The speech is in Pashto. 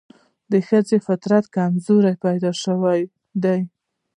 چې ښځه فطري کمزورې پيدا شوې ده